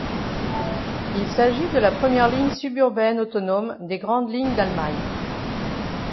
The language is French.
Il s'agit de la première ligne suburbaine autonome des grandes lignes d'Allemagne.